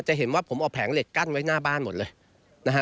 จะเห็นว่าผมเอาแผงเหล็กกั้นไว้หน้าบ้านหมดเลยนะฮะ